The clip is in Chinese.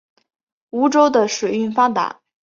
梧州的水运发达。